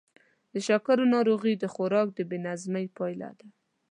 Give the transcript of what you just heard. د شکرو ناروغي د خوراک د بې نظمۍ پایله ده.